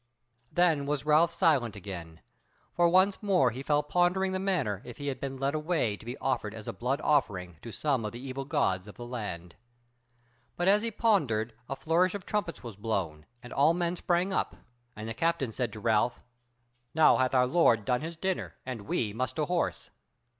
Then was Ralph silent again, for once more he fell pondering the matter if he had been led away to be offered as a blood offering to some of evil gods of the land. But as he pondered a flourish of trumpets was blown, and all men sprang up, and the captain said to Ralph: "Now hath our Lord done his dinner and we must to horse."